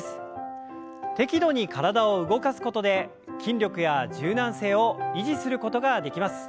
適度に体を動かすことで筋力や柔軟性を維持することができます。